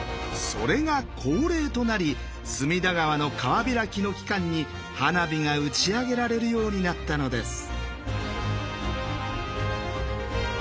それが恒例となり隅田川の川開きの期間に花火が打ち上げられるようになったのです。